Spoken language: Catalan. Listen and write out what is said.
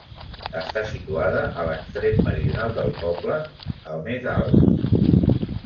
Està situada a l'extrem meridional del poble, el més alt.